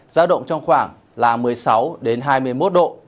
giao động trong khoảng là một mươi sáu đến hai mươi một độ